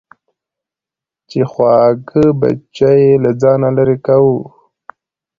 چې خواږه بچي له ځانه لېرې کوو.